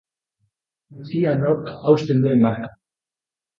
Ea nork hausten duen marka!